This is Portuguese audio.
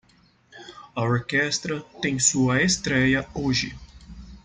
A orquestra tem sua estréia hoje.